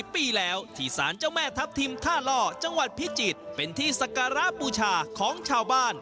ปีแล้วที่สารเจ้าแม่ทัพทิมท่าล่อจังหวัดพิจิตรเป็นที่สการะบูชาของชาวบ้าน